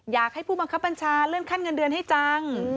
อยากให้ผู้บังคับบัญชาเลื่อนขั้นเงินเดือนให้จัง